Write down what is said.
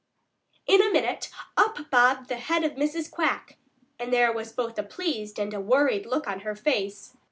In a minute up bobbed the head of Mrs. Quack, and there was both a pleased and a worried look on her face.